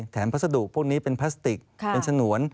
พัสดุพวกนี้เป็นพลาสติกเป็นฉนวน